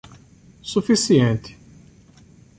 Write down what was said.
Suficiente